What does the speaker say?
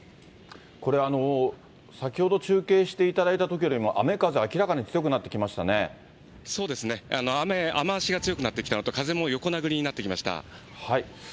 これ、先ほど中継していただいたときよりも雨風、そうですね、雨足が強くなってきたのと、風も横殴りになってきました。